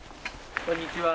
あっこんにちは。